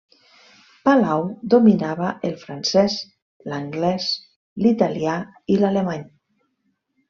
Palau dominava el francès, l'anglès, l'italià i l'alemany.